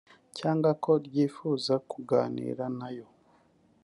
cyangwa ko ryifuza kuganira nayo